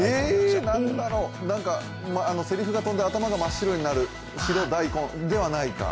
せりふが飛んで頭が真っ白になる、白い、大根？